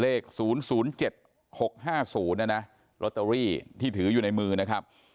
เลข๐๐๗๖๕๐นะนะลอตเตอรี่ที่ถืออยู่ในมือนะครับ